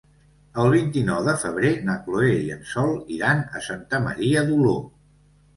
El vint-i-nou de febrer na Chloé i en Sol iran a Santa Maria d'Oló.